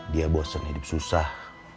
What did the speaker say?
dia bosan hidup susah